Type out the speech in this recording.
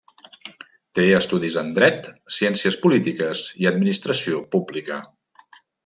Té estudis en Dret, Ciències Polítiques i Administració Pública.